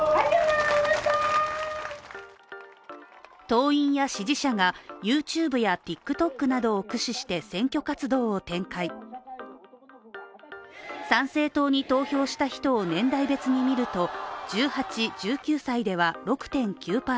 党員や支持者がＹｏｕＴｕｂｅやＴｉｋＴｏｋなどを駆使して選挙活動を展開、参政党に投票した人を年代別に見ると、１８、１９歳では６．９％。